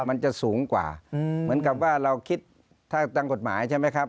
มันจะสูงกว่าเหมือนกับว่าเราคิดถ้าตามกฎหมายใช่ไหมครับ